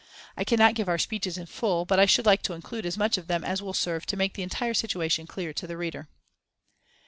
I cannot give our speeches in full, but I should like to include as much of them as will serve to make the entire situation clear to the reader.